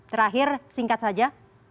terakhir singkat saja